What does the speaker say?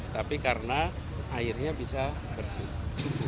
tapi karena airnya bisa bersih